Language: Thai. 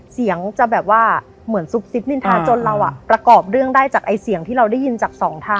เสียงจะเหมือนซุปซิฟท์นินทานจนเราประกอบเรื่องได้จากเสียงที่เราได้ยินจาก๒ทาง